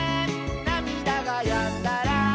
「なみだがやんだら」